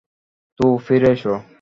তো, ফিরে এসো।